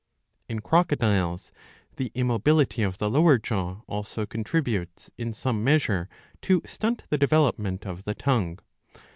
In crocodiles the immobility of the lower jaw also contributes in some measure to stunt the development of the tongue.